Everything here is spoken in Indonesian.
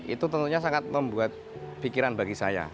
itu tentunya sangat membuat pikiran bagi saya